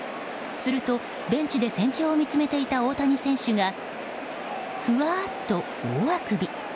するとベンチで戦況を見つめていた大谷選手がふわっと大あくび。